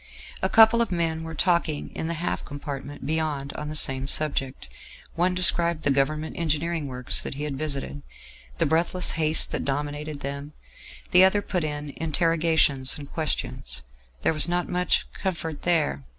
A couple of men were talking in the half compartment beyond on the same subject; one described the Government engineering works that he had visited, the breathless haste that dominated them; the other put in interrogations and questions. There was not much comfort there.